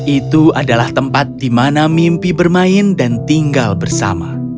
itu adalah tempat di mana mimpi bermain dan tinggal bersama